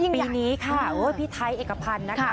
ปีนี้ค่ะพี่ไทยเอกพันธ์นะคะ